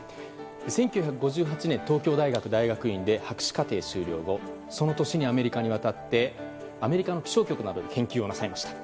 １９５８年東京大学大学院で博士課程修了後その年にアメリカに渡ってアメリカの気象局などで研究をなさいました。